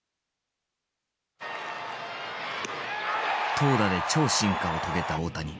投打で超進化を遂げた大谷。